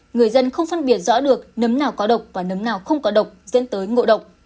người dân không phân biệt rõ được nấm nào có độc và nấm nào không có độc dẫn tới ngộ độc